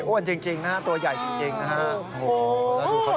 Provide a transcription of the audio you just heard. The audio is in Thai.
โอนจริงตัวใหญ่จริงนะฮะ